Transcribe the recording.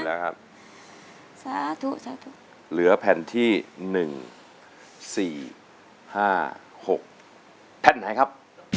เหลือแผ่นที่๑๔๕๖แผ่นไหนครับ